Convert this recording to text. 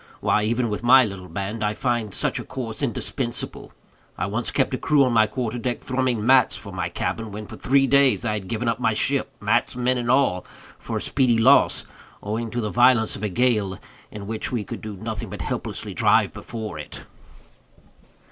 Why, even with my little band, I find such a course indispensable. I once kept a crew on my quarter deck thrumming mats for my cabin, when, for three days, I had given up my ship—mats, men, and all—for a speedy loss, owing to the violence of a gale, in which we could do nothing but helplessly drive before it."